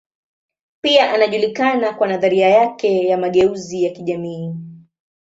Pia anajulikana kwa nadharia yake ya mageuzi ya kijamii.